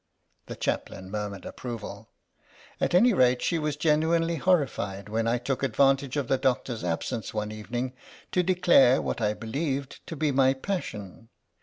The Chaplain murmured approval. "At any rate, she was genuinely horrified when I took advantage of the doctor's absence one evening to declare what I believed to be my passion.